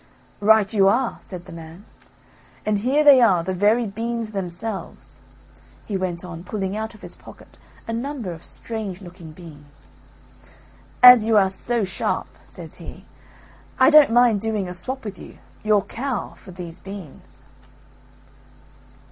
"Right you are," said the man, "and here they are the very beans themselves," he went on pulling out of his pocket a number of strange looking beans. "As you are so sharp," says he, "I don't mind doing a swop with you your cow for these beans."